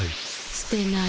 すてない。